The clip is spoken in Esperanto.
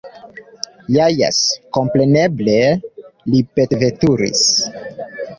Ha jes, kompreneble, li petveturis!